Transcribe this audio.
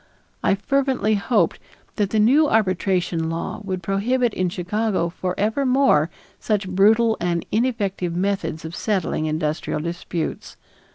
I fervently hoped that the new arbitration law would prohibit in Chicago forever more such brutal and ineffective methods of settling industrial disputes.